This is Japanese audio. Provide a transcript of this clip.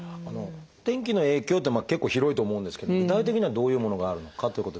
天気の影響って結構広いと思うんですけども具体的にはどういうものがあるのかということですが。